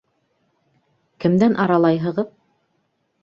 Кемдән аралайһығыҙ?